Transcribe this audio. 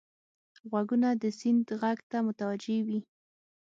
غوږونه د سیند غږ ته متوجه وي